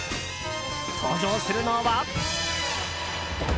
登場するのは。